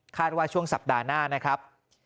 ว่าช่วงสัปดาห์หน้านะครับ